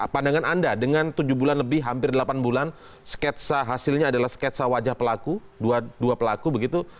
pandangan anda dengan tujuh bulan lebih hampir delapan bulan sketsa hasilnya adalah sketsa wajah pelaku dua pelaku begitu